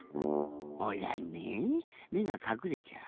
ほらねえめがかくれちゃう。